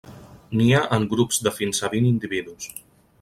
Nia en grups de fins a vint individus.